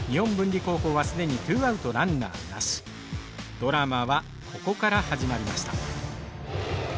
ドラマはここから始まりました。